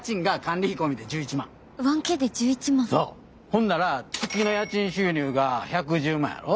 ほんなら月の家賃収入が１１０万やろ。